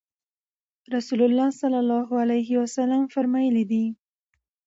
رسول الله صلی الله عليه وسلم فرمایلي دي: